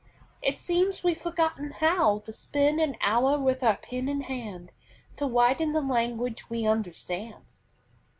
It seems we've forgotten how To spend an hour with our pen in hand To write in the language we understand.